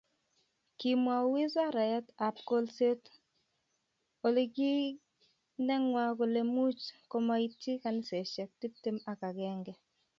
kimwou wisaretab kolset orokineng'wang' kole much komaityi kuniaisiek tiptem ak agenge